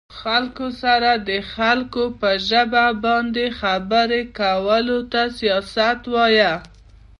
خلکو سره د خلکو په ژبه باندې خبرې کولو ته سياست وايه